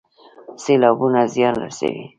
سیلابونه زیان رسوي